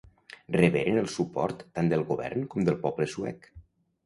Reberen el suport tant del govern com del poble suec.